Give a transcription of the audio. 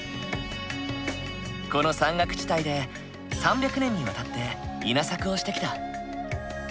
この山岳地帯で３００年にわたって稲作をしてきた。